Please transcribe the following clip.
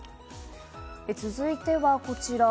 続いてはこちら。